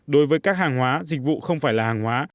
đối với các hàng hóa dịch vụ không phải là hàng hóa